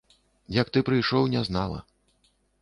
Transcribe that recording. Як ты прыйшоў, не знала.